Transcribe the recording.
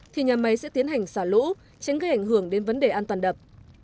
thì nhà máy sẽ tiến hành xả lũ tránh gây ảnh hưởng đến vấn đề an toàn đập